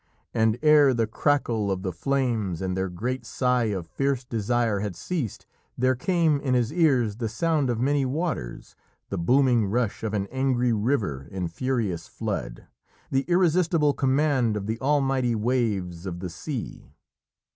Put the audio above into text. And ere the crackle of the flames and their great sigh of fierce desire had ceased, there came in his ears the sound of many waters, the booming rush of an angry river in furious flood, the irresistible command of the almighty waves of the sea.